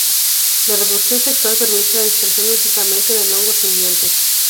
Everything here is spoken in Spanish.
La reproducción sexual permite la dispersión únicamente del hongo simbionte.